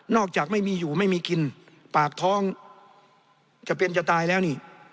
จากไม่มีอยู่ไม่มีกินปากท้องจะเป็นจะตายแล้วนี่